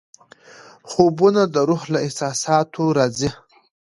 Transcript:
خوبونه د روح له احساساتو راځي.